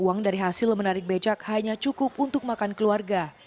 uang dari hasil menarik becak hanya cukup untuk makan keluarga